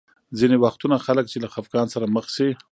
ځینې وختونه خلک چې له خفګان سره مخ شي.